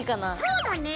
そうだね。